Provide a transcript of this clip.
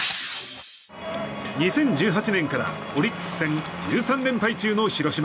２０１８年からオリックス戦１３連敗中の広島。